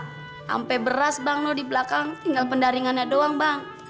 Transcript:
sampe beras bang di belakang tinggal pendaringannya doang bang